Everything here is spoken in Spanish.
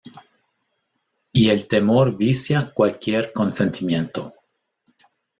Y el temor vicia cualquier consentimiento.